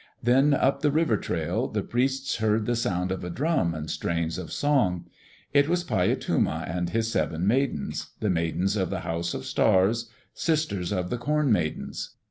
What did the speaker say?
Then up the river trail, the priests heard the sound of a drum and strains of song. It was Paiyatuma and his seven maidens, the Maidens of the House of Stars, sisters of the Corn Maidens.